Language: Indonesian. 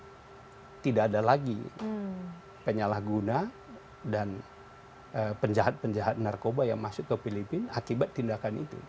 karena tidak ada lagi penyalahguna dan penjahat penjahat narkoba yang masuk ke filipina akibat tindakan itu